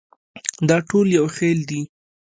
دا ټول یو خېل دي.